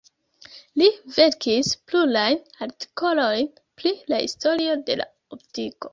Li verkis plurajn artikolojn pri la historio de la optiko.